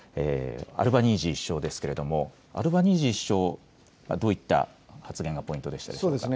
アルバニージー首相ですけれども、アルバニージー首相、どういった発言がポイントでしたでしょうか。